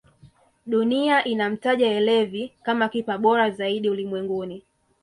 dunia inamtaja elevi kama kipa bora zaidi ulimwenguni